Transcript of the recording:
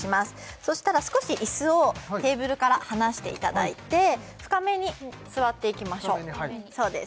そしたら少し椅子をテーブルから離していただいて深めに座っていきましょうそうです